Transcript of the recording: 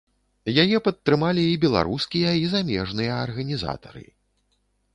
Яе падтрымалі і беларускія, і замежныя арганізатары.